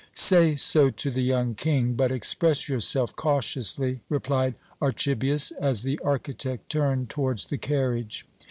"Say so to the young King, but express yourself cautiously," replied Archibius as the architect turned towards the carriage.